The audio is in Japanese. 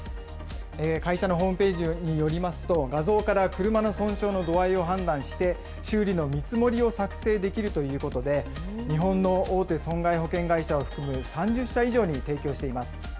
会社のホームページによりますと、画像から車の損傷の度合いを判断して、修理の見積もりを作成できるということで、日本の大手損害保険会社を含む３０社以上に提供しています。